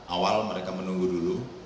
awal mereka menunggu dulu